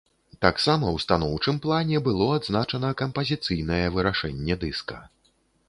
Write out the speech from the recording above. Таксама ў станоўчым плане было адзначана кампазіцыйнае вырашэнне дыска.